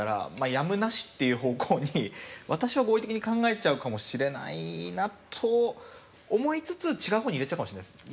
やむなしっていう方向に私は合理的に考えちゃうかもしれないなと思いつつ違う方に入れちゃうかもしれないです。